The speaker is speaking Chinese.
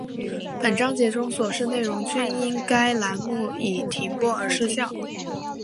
本章节中所示内容均因该栏目已停播而失效